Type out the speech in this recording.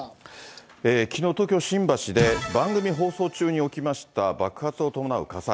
きのう、東京・新橋で番組放送中に起きました爆発を伴う火災。